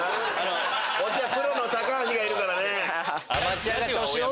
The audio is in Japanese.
こっちはプロの橋がいるからね。